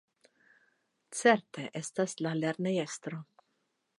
Certe estas la lernejestro.